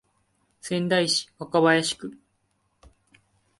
仙台市若林区